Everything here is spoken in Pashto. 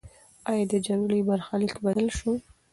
آیا د جګړې برخلیک بدل سو؟